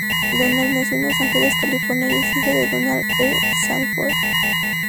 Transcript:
Donald nació en Los Ángeles, California y es hijo de Donald E. Sanford Jr.